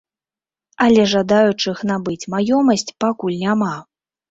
Але жадаючых набыць маёмасць пакуль няма.